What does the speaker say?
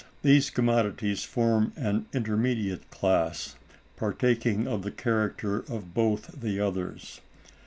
These commodities form an intermediate class, partaking of the character of both the others.